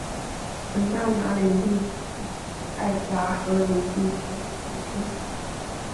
蒙大拿领地系自爱达荷领地分裂诞生。